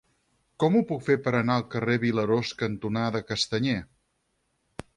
Com ho puc fer per anar al carrer Vilarós cantonada Castanyer?